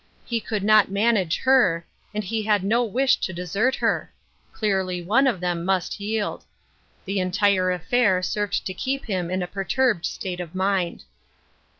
He could not manage her^ and he had no wish to desert her. Clearly one of them must yield. The entire affair served to keep him in a perturbed state of mind.